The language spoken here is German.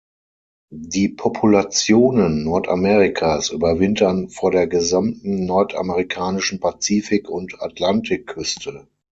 Die Populationen Nordamerikas überwintern vor der gesamten nordamerikanischen Pazifik- und Atlantikküste.